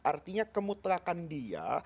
artinya kemutlaqan dia